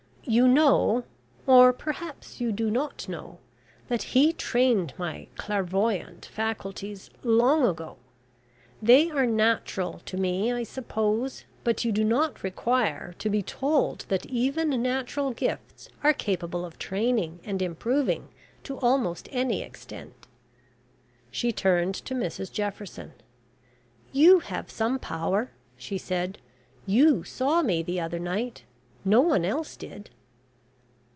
You know or, perhaps, you do not know that he trained my clairvoyante faculties long ago. They are natural to me, I suppose; but you do not require to be told that even natural gifts are capable of training and improving to almost any extent." She turned to Mrs Jefferson. "You have some power," she said, "you saw me the other night. No one else did."